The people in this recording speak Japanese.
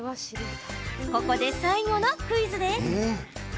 ここで最後のクイズです。